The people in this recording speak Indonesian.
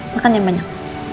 makan yang banyak